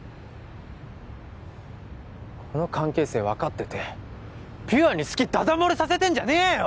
この関係性分かっててピュアに好きダダ漏れさせてんじゃねえよ！